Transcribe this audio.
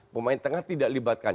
pemain tengah tidak melibatkan